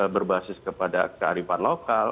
berbasis kepada kearifan lokal